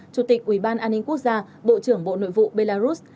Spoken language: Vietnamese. chủ tịch uban an ninh quốc gia bộ trưởng bộ nội vụ belarus